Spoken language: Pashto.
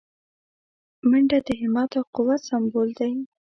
منډه د همت او قوت سمبول دی